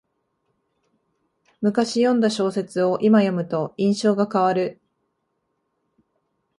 むかし読んだ小説をいま読むと印象が変わる